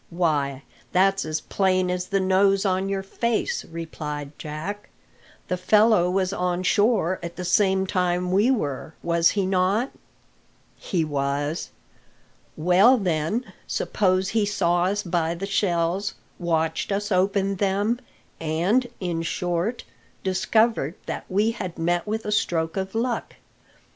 "Why, that's as plain as the nose on your face," replied Jack; "the fellow was on shore at the same time we were, was he not?" "He was." "Well, then, suppose he saw us buy the shells, watched us open them, and, in short, discovered that we had met with a stroke of luck.